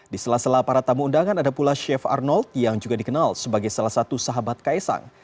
di sela sela para tamu undangan ada pula chef arnold yang juga dikenal sebagai salah satu sahabat kaisang